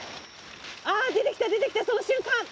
出てきた出てきた、その瞬間。